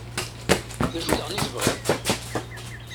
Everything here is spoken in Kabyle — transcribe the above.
D acu daɣen i tebɣiḍ?